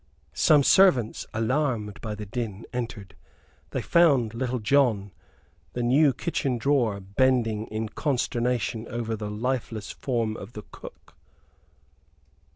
Some servants, alarmed by the din, entered. They found Little John, the new kitchen drawer, bending in consternation over the lifeless form of the cook.